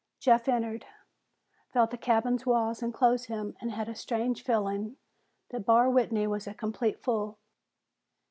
Jeff entered, felt the cabin's walls enclose him, and had a strange feeling that Barr Whitney was a complete fool.